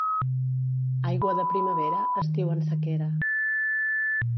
Aigua de primavera, estiu en sequera.